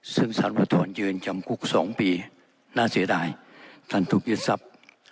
ซึ่งสารวทรยืนจำคุก๒ปีน่าเสียดายท่านถูกยึดทรัพย์